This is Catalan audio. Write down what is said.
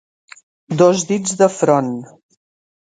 Dos dits de front.